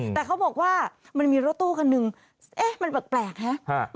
แต่เขาบอกว่ามันมีรถตู้คันหนึ่งเอ๊ะมันแปลกฮะ